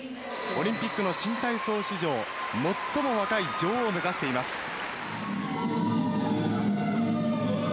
オリンピックの新体操史上最も若い女王を目指しています。